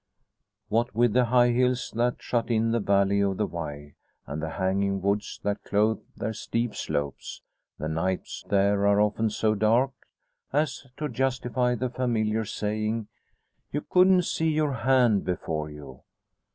What with the high hills that shut in the valley of the Wye, and the hanging woods that clothe their steep slopes, the nights there are often so dark as to justify the familiar saying, "You couldn't see your hand before you."